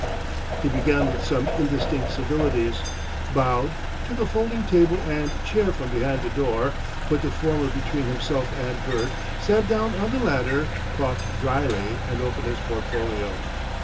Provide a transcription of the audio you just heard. He began with some indistinct civilities, bowed, took a folding table and chair from behind the door, put the former between himself and Bert, sat down on the latter, coughed drily, and opened his portfolio.